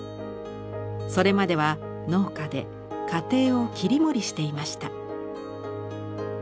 それまでは農家で家庭を切り盛りしていました。